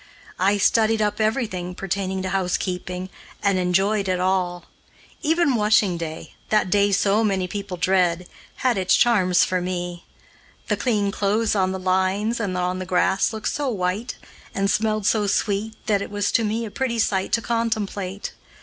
I studied up everything pertaining to housekeeping, and enjoyed it all. Even washing day that day so many people dread had its charms for me. The clean clothes on the lines and on the grass looked so white, and smelled so sweet, that it was to me a pretty sight to contemplate.